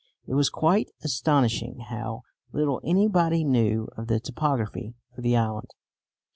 It was quite astonishing how little anybody knew of the topography of the island.